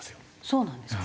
そうなんですか？